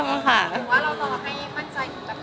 หรือว่าเราต้องต้องให้มั่นใจของแต่งงงแต่งงานก่อน